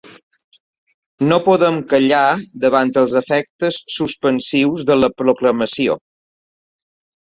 No podem callar davant els efectes suspensius de la proclamació.